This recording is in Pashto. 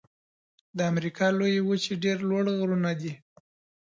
د امریکا لویې وچې ډېر لوړ غرونه دي.